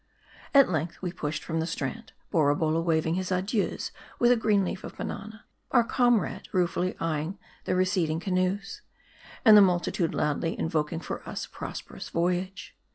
At length we pushed from the strand ; Borabolla waving his adieus with a green leaf of banana ; our comrade rue fully eyeing the receding canoes ; and the multitude loudly invoking for us a prosperous voyage.